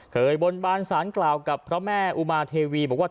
บนบานสารกล่าวกับพระแม่อุมาเทวีบอกว่า